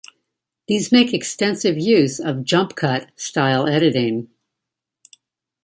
These make extensive use of jump cut-style editing.